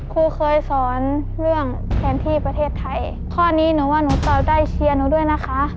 ครูเคยสอนเรื่องแทนที่ประเทศไทยข้อนี้หนูว่าหนูตอบได้เชียร์หนูด้วยนะคะ